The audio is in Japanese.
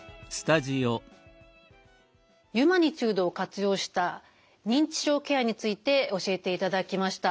ユマニチュードを活用した認知症ケアについて教えていただきました。